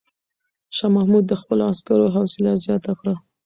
شاه محمود د خپلو عسکرو حوصله زیاته کړه.